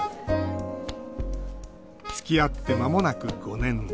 つきあってまもなく５年。